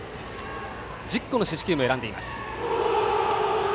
１０個の四死球も選んでいます。